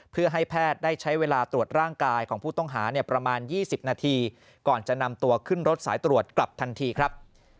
เพื่อให้แพทย์ได้ใช้เวลาตรวจร่างกายของผู้ต้องหาเนี่ยประมาณ๒๐นาทีก่อนจะนำตัวขึ้นรถสายตรวจกลับทันทีครับ